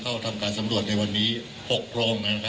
คุณผู้ชมไปฟังผู้ว่ารัฐกาลจังหวัดเชียงรายแถลงตอนนี้ค่ะ